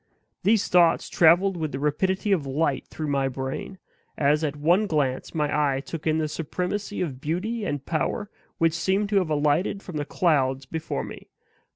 These thoughts traveled with the rapidity of light through my brain, as at one glance my eye took in the supremacy of beauty and power which seemed to have alighted from the clouds before me.